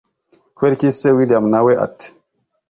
kuberiki se william nawe ati